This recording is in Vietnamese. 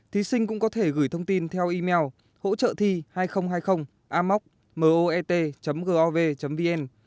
thí sinh cũng có thể gửi thông tin theo email hỗ trợthi hai nghìn hai mươi amoc gov vn